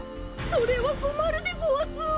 それはこまるでごわす！